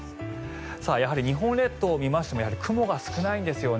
やはり日本列島を見ましても雲が少ないんですよね。